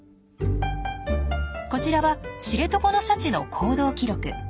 こちらは知床のシャチの行動記録。